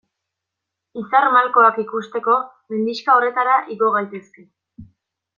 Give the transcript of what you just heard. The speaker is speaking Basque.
Izar malkoak ikusteko mendixka horretara igo gaitezke.